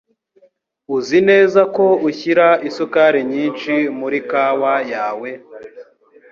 Uzi neza ko ushyira isukari nyinshi muri kawa yawe.